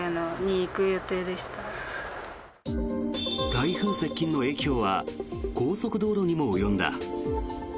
台風接近の影響は高速道路にも及んだ。